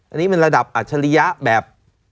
อันนี้มันระดับอัจฉริยะแบบ